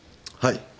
はい。